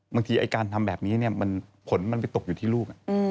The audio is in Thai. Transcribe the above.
ไอ้การทำแบบนี้ผลมันไปตกอยู่ที่ลูก